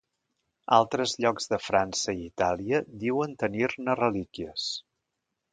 Altres llocs de França i Itàlia diuen de tenir-ne relíquies.